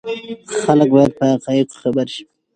خلک باید په حقایقو خبر شي.